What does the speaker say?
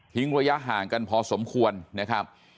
ระยะห่างกันพอสมควรนะครับ